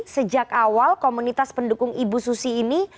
sejak awal komunitas pendukung ibu susi ini